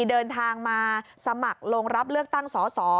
เดินทางมาสมัครลงรับเลือกตั้งสอสอ